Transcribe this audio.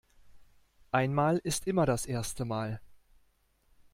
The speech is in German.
Einmal ist immer das erste Mal.